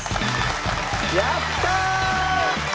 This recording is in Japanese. やった！